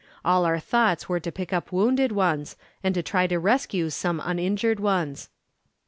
All our thoughts were to pick up wounded ones, and to try to rescue some uninjured ones.